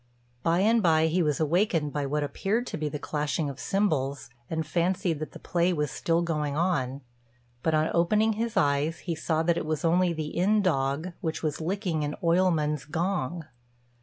By and by he was awaked by what appeared to be the clashing of cymbals, and fancied that the play was still going on; but on opening his eyes, he saw that it was only the inn dog, which was licking an oilman's gong.